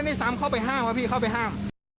นี่ซ้ำเข้าไปห้ามครับพี่เข้าไปห้าม